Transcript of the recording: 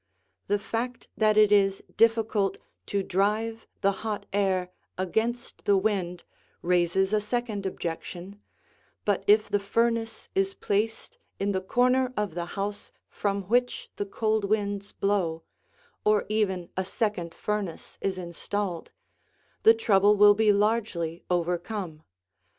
The fact that it is difficult to drive the hot air against the wind raises a second objection, but if the furnace is placed in the corner of the house from which the cold winds blow, or even a second furnace is installed, the trouble will be largely overcome.